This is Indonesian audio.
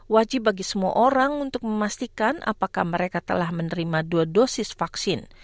wajib bagi semua orang untuk memastikan apakah mereka telah menerima dua dosis vaksin